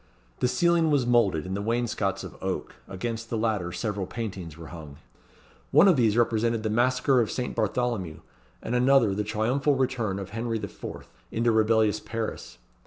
The ceiling was moulded, and the wainscots of oak; against the latter several paintings were hung. One of these represented the Massacre of St. Bartholomew, and another the triumphal entry of Henri IV. into rebellious Paris.